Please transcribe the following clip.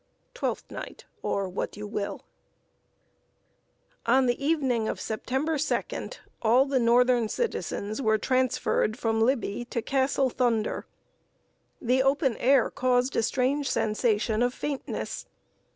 TWELFTH NIGHT, OR WHAT YOU WILL. [Sidenote: TRANSFERRED TO CASTLE THUNDER.] On the evening of September 2d, all the northern citizens were transferred from Libby to Castle Thunder. The open air caused a strange sensation of faintness.